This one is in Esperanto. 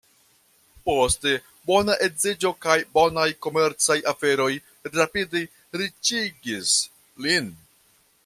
Poste, bona edziĝo kaj bonaj komercaj aferoj rapide riĉigis lin.